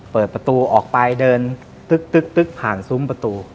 เปิดประตูออกไปเดินตึ๊กผ่านซุ้มประตู